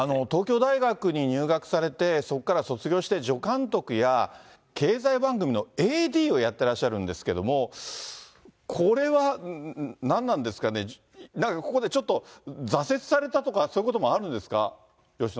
東京大学に入学されて、そこから卒業して助監督や経済番組のＡＤをやってらっしゃるんですけども、これはなんなんですかね、なんかここでちょっと、挫折されたとか、そういうこともあるんですか？